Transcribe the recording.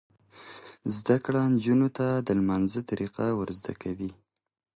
زده کړه نجونو ته د لمانځه طریقه ور زده کوي.